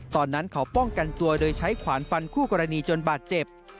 ตอนนั้นเขาป้องกันตัวโดยใช้ขวานฟันคู่กรณีจนบาดเจ็บ